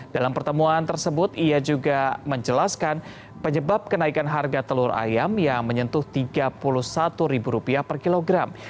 dalam pertemuan tersebut ia juga menjelaskan penyebab kenaikan harga telur ayam yang menyentuh rp tiga puluh satu per kilogram